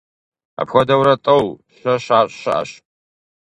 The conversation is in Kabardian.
Апхуэдэурэ тӀэу, щэ щащӀ щыӀэщ.